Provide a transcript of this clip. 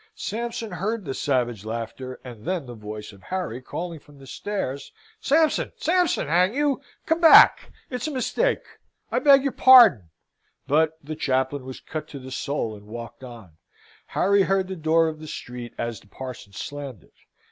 Sampson heard the savage laughter, and then the voice of Harry calling from the stairs, "Sampson, Sampson! hang you! come back! It's a mistake! I beg your pardon!" But the chaplain was cut to the soul, and walked on. Harry heard the door of the street as the parson slammed it.